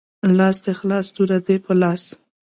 لاس دی خلاص توره دی په لاس